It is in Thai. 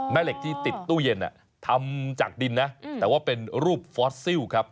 แม่เหล็กที่ติดตู้เย็นทำจากดินนะแต่ว่าเป็นรูปฟอสซิลครับ